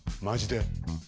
マジで？